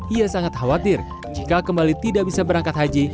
ia sangat khawatir jika kembali tidak bisa berangkat haji